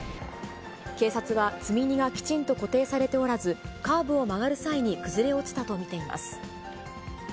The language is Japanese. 警察は積み荷がきちんと固定されておらず、カーブを曲がる際に崩れ落ちたと見ています。